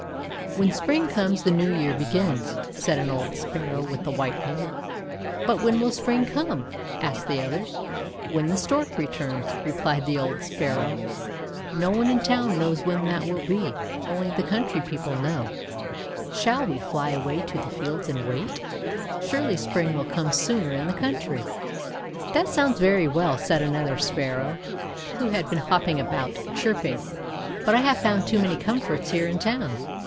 "When Spring comes, the New Year begins," said an old Sparrow with a white head. "But when will Spring come?' asked the others. "Wlien the Stork returns," replied the old Sparrow. :<No one in town knows when that will be. Only the country people know. Shall we fly away to the fields and wait? Surely Spring will come sooner in the country." "That sounds very well," said another Spar 440 THE WONDER GARDEN row, who had been hopping about, chirpingc :'But I have found too many comforts here in town.